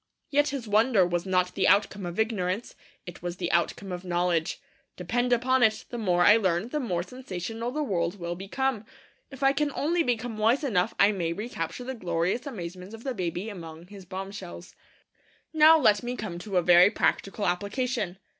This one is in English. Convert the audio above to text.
Yet his wonder was not the outcome of ignorance; it was the outcome of knowledge. Depend upon it, the more I learn, the more sensational the world will become. If I can only become wise enough I may recapture the glorious amazements of the baby among his bombshells. Now let me come to a very practical application.